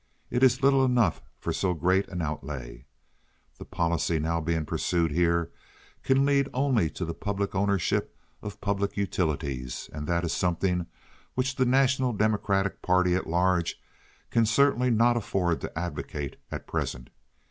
It is little enough for so great an outlay. The policy now being pursued here can lead only to the public ownership of public utilities, and that is something which the national Democratic party at large can certainly not afford to advocate at present.